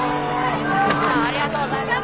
ありがとうございます！